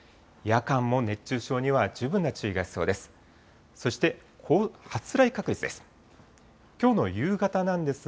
夜間も熱中症には十分な注意が必要です。